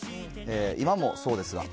今もそうですが。